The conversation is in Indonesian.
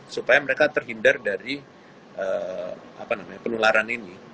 supaya mereka terhindar dari penularan ini